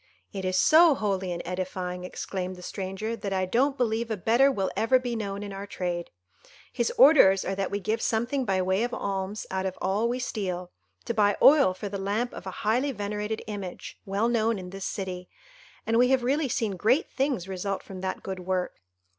"It is so holy and edifying," exclaimed the stranger, "that I don't believe a better will ever be known in our trade. His orders are that we give something by way of alms out of all we steal, to buy oil for the lamp of a highly venerated image, well known in this city; and we have really seen great things result from that good work.